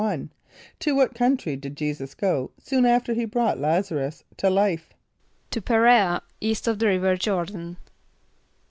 = To what country did J[=e]´[s+]us go, soon after he brought L[)a]z´a r[)u]s to life? =To P[+e] r[=e]´a east of the river Jôr´dan.